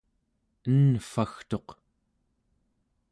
envvagtuq